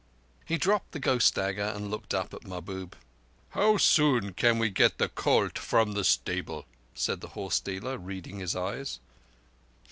He dropped the ghost dagger and looked up at Mahbub. "How soon can we get the colt from the stable?" said the horse dealer, reading his eyes.